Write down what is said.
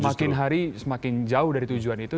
semakin hari semakin jauh dari tujuan itu